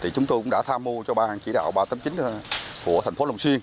chúng tôi đã tham mưu cho bang chỉ đạo ba trăm tám mươi chín của thành phố lồng xuyên